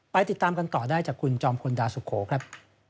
ติดตามกันต่อได้จากคุณจอมพลดาวสุโขครับ